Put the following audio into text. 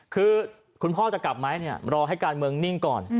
คือคุณพ่อจะกลับไหมเนี่ยรอให้การเมืองนิ่งก่อน